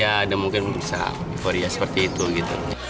ya ada mungkin bisa euforia seperti itu gitu